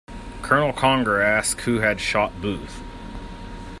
Colonel Conger asked who had shot Booth.